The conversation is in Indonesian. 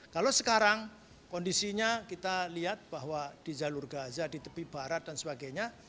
kalau sekarang kondisinya kita lihat bahwa di jalur gaza di tepi barat dan sebagainya